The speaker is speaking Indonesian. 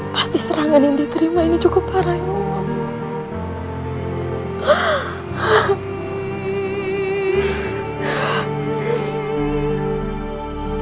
pasti serangan yang diterima ini cukup parah ya allah